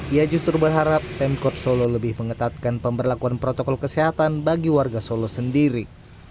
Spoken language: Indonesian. ia justru berharap pemkot solo lebih mengetatkan pemberlakuan protokol kesehatan bagi warga solo sendiri